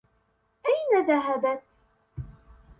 أين ذهبت؟